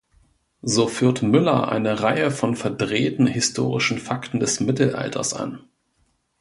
So führt Müller eine Reihe von verdrehten historischen Fakten des Mittelalters an.